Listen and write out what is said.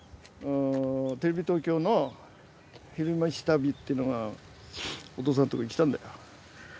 テレビ東京の「昼めし旅」ってのがお父さんとこへ来たんだよ。